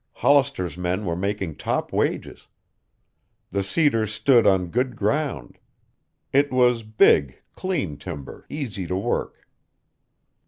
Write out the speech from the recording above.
Hollister's men were making top wages. The cedar stood on good ground. It was big, clean timber, easy to work.